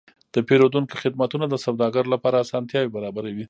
د پیرودونکو خدمتونه د سوداګرو لپاره اسانتیاوې برابروي.